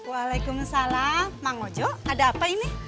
waalaikumsalam bang ojo ada apa ini